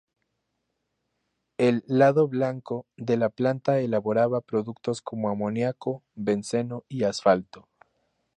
El "lado blanco" de la planta elaboraba productos como amoníaco, benceno y asfalto.